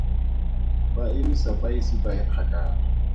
Ba emisa ba ise ba ye kgakala.